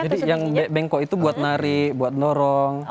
jadi yang bengkok itu buat narik buat dorong